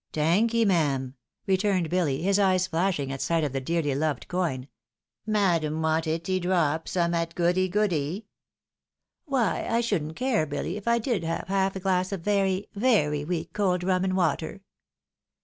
'" Tanky, mam," returned Billy, his eyes flashing at sight of the dearly loved coin. "Madam want itty drop som'at goody goody ?"" Why, I shouldn't care, Billy, if I did have half a glass of very, ue? ?/ weak cold rum and water."